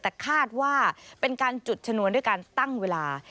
แต่คาดว่าเป็นการจุดชนวนด้วยการตั้งเวลา